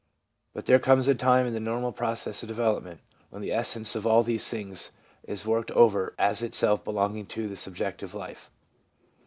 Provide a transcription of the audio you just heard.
But there comes a time in the normal process of development, when the essence of all these things is worked over as itself belonging to the subjective life.